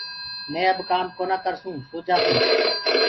مين اب ڪآم ڪونآ ڪرسون سو جآسون